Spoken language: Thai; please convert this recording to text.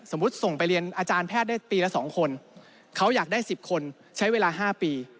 ส่งไปเรียนอาจารย์แพทย์ได้ปีละ๒คนเขาอยากได้๑๐คนใช้เวลา๕ปี